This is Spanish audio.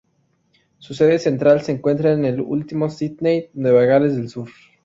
Su sede central se encuentra en Ultimo, Sídney, Nueva Gales del Sur.